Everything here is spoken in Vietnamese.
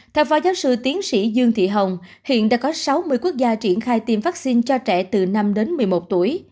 theo phó giáo sư tiến sĩ dương thị hồng hiện đã có sáu mươi quốc gia triển khai tiêm vaccine cho trẻ từ năm đến một mươi một tuổi